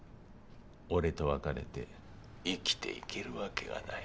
俺と別れて生きていけるわけがない。